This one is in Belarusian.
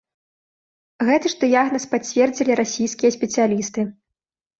Гэты ж дыягназ пацвердзілі расійскія спецыялісты.